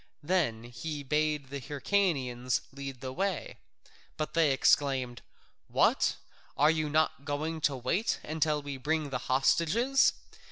Then he bade the Hyrcanians lead the way, but they exclaimed, "What? Are you not going to wait until we bring the hostages?